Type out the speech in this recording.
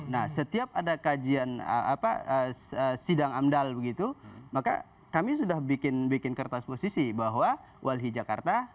nah setiap ada kajian sidang amdal begitu maka kami sudah bikin kertas posisi bahwa walhi jakarta